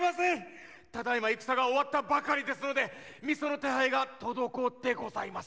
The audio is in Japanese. ただいま戦が終わったばかりですので味噌の手配が滞ってございます。